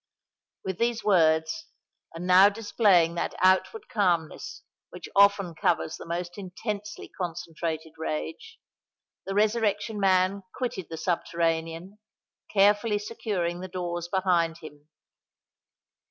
With these words,—and now displaying that outward calmness which often covers the most intensely concentrated rage,—the Resurrection Man quitted the subterranean, carefully securing the doors behind him.